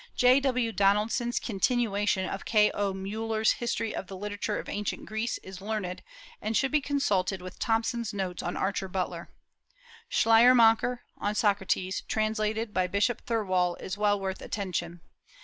J. W. Donaldson's continuation of K. O. Müller's History of the Literature of Ancient Greece is learned, and should be consulted with Thompson's Notes on Archer Butler. Schleiermacher, on Socrates, translated by Bishop Thirlwall, is well worth attention.